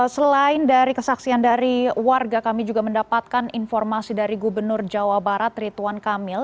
selain dari kesaksian dari warga kami juga mendapatkan informasi dari gubernur jawa barat rituan kamil